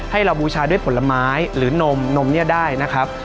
ให้เราบูชาด้วยผลไม้หรือนมนมเนี่ยได้นะครับ